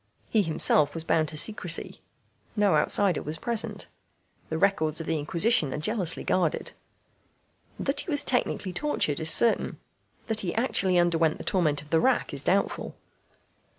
He himself was bound to secrecy. No outsider was present. The records of the Inquisition are jealously guarded. That he was technically tortured is certain; that he actually underwent the torment of the rack is doubtful.